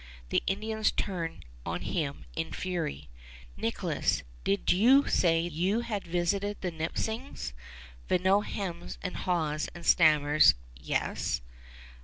The Indians turned on him in fury. "Nicholas, did you say you had visited the Nipissings?" Vignau hems and haws, and stammers, "Yes."